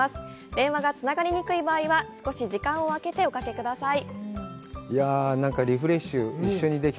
電話がつながりにくい場合は少し時間をあけておかけください。